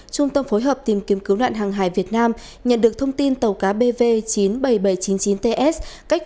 trung tâm phối hợp tìm kiếm cứu nạn hàng hải việt nam nhận được thông tin tàu cá bv chín mươi bảy nghìn bảy trăm chín mươi chín ts